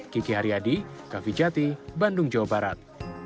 kiki haryadi kavijati bandung jawa barat